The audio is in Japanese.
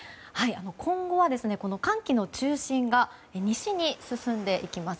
今後は寒気の中心が西に進んでいきます。